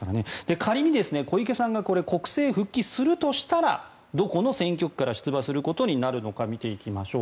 仮に小池さんが国政復帰するとしたらどこの選挙区から出馬することになるのか見ていきましょう。